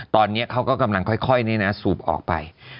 ตอนนี้เขาก็กำลังค่อยสูบออกไป